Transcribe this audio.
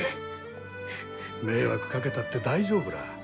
迷惑かけたって大丈夫ら。